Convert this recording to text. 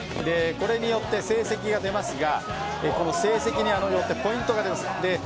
これによって成績が出ますが、成績によってポイントがあります。